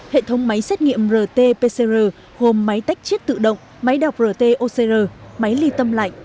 hệ thống máy xét nghiệm rt pcr gồm máy tách chiết tự động máy đọc rt ocr máy ly tâm lạnh